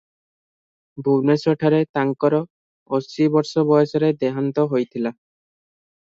ଭୁବନେଶ୍ୱରଠାରେ ତାଙ୍କର ଅଶୀ ବର୍ଷ ବୟସରେ ଦେହାନ୍ତ ହୋଇଥିଲା ।